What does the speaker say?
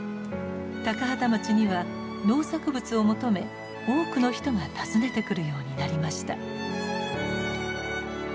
高畠町には農作物を求め多くの人が訪ねてくるようになりました。